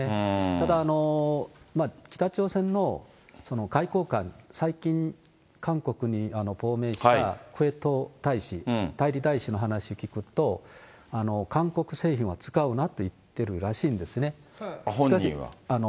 ただ、北朝鮮の外交官、最近、韓国に亡命した大使、代理大使の話聞くと、韓国製品を使うなと言ってるらしいんですね。